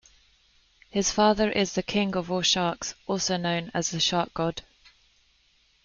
His father is "The King of All Sharks"-also known as the Shark god.